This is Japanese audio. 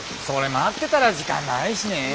それ待ってたら時間ないしね。